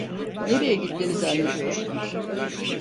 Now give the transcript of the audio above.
Nereye gittiğini zannediyorsun?